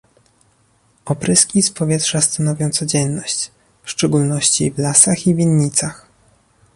Opryski z powietrza stanowią codzienność, w szczególności w lasach i winnicach